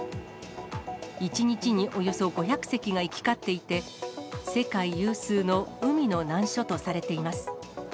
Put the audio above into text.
１日におよそ５００隻が行き交っていて、世界有数の海の難所とされています。